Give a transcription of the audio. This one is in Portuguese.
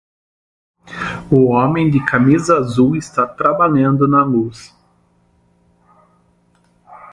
O homem de camisa azul está trabalhando na luz.